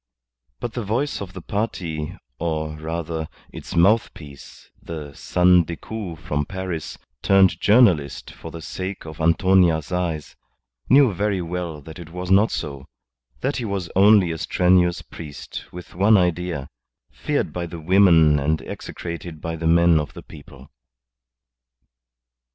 But the voice of the party, or, rather, its mouthpiece, the "son Decoud" from Paris, turned journalist for the sake of Antonia's eyes, knew very well that it was not so, that he was only a strenuous priest with one idea, feared by the women and execrated by the men of the people.